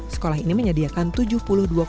sekolah ini menyediakan tujuh sekolah gratis